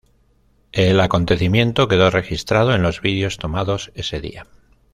El acontecimiento quedó registrado en los videos tomados ese día.